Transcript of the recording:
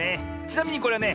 ちなみにこれはね